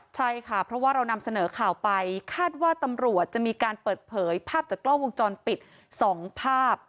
ใช่ค่ะเพราะว่าเรานำเสนอข่าวไปคาดว่าตำรวจจะมีการเปิดเผยภาพจากกล้องวงจรปิด๒ภาพ